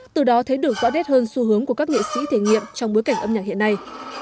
từ đó thấy được rõ nét hơn xu hướng của các nghệ sĩ thể nghiệm trong bối cảnh âm nhạc hiện nay